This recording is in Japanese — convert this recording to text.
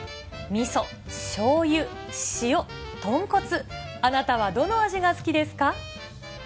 みそ、しょうゆ、塩、豚骨、あなたはどの味が好きですか？